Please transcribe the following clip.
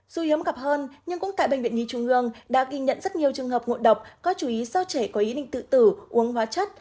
dù hiếm gặp hơn nhưng cũng tại bệnh viện nhi trung ương đã ghi nhận rất nhiều trường hợp ngộ độc có chú ý do trẻ có ý định tự tử uống hóa chất